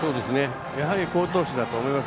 やはり好投手だと思います。